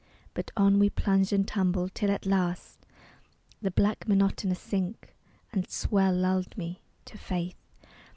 But on we plunged and tumbled, till at last The blank monotonous sink and swell lulled me To faith.